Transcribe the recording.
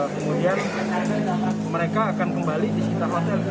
kemudian mereka akan kembali di sekitar hotel